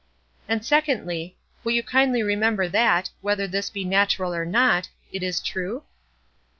And secondly, will you kindly remember that, whether this be natural or not, it is true?